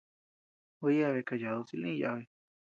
Gua yeabea kayadu silï yabi.